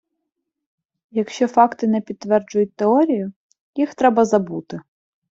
Якщо факти не підтверджують теорію, їх треба забути.